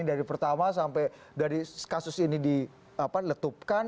dari pertama sampai dari kasus ini diletupkan